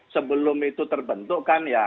sebelum itu terbentuk